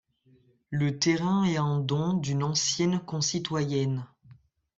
Le terrain est un don d'une ancienne concitoyenne.